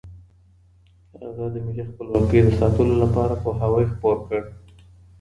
هغه د ملي خپلواکۍ د ساتلو لپاره پوهاوی خپور کړ.